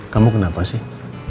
kamu kenapa sih